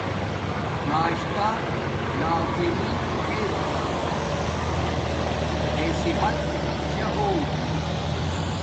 ناشتا لازمی ار تے صحت شا موچے گی